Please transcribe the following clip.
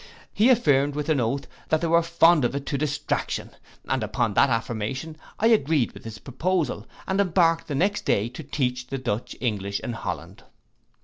He affirmed with an oath that they were fond of it to distraction; and upon that affirmation I agreed with his proposal, and embarked the next day to teach the Dutch English in Holland.